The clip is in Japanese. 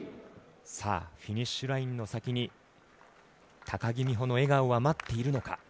さあ、フィニッシュラインの先に、高木美帆の笑顔は待っているのか。